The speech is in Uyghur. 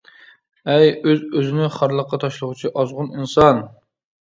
ئەي ئۆز-ئۆزىنى خارلىققا تاشلىغۇچى ئازغۇن ئىنسان!